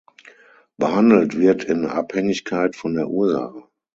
Behandelt wird in Abhängigkeit von der Ursache.